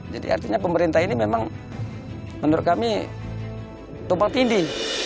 jadi artinya pemerintah ini memang menurut kami tumpang tindi